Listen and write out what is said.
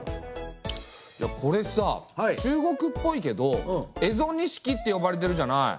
いやこれさ中国っぽいけど蝦夷錦って呼ばれてるじゃない？